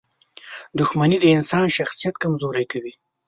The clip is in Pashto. • دښمني د انسان شخصیت کمزوری کوي.